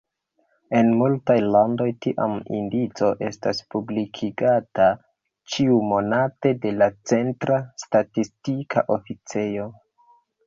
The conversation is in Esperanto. En multaj landoj, tia indico estas publikigata ĉiumonate de la centra statistika oficejo.